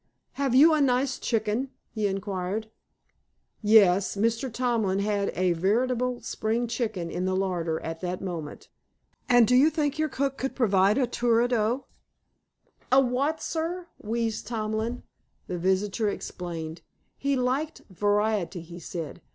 "Have you a nice chicken?" he inquired. Yes, Mr. Tomlin had a veritable spring chicken in the larder at that moment. "And do you think your cook could provide a tourne dos?" "A what a, sir?" wheezed Tomlin. The visitor explained. He liked variety, he said.